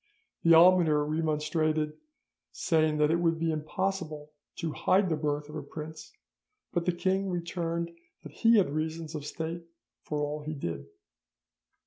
The almoner remonstrated, saying it would be impossible to hide the birth of a prince, but the king returned that he had reasons of state for all he did.